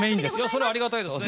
それはありがたいですね。